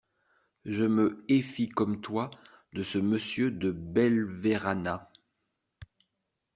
Je me éfie comme toi de ce Monsieur De Belverana.